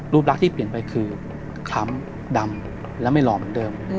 รักที่เปลี่ยนไปคือคล้ำดำและไม่หล่อเหมือนเดิม